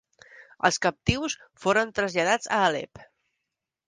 Els captius foren traslladats a Alep.